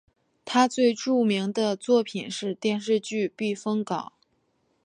他最著名的作品是电视剧避风港。